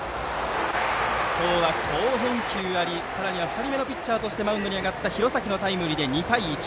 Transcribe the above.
今日は、好返球ありさらに２人目のピッチャーとしてマウンドに上がった廣崎のタイムリーで２対１。